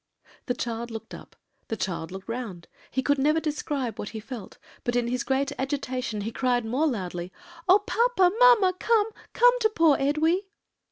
"The child looked up, the child looked round, he could never describe what he felt; but in his great agitation he cried more loudly, 'Oh, papa! mamma! Come, come to poor Edwy!'